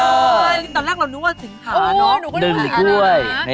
อุ้ยหนึ่งก้วย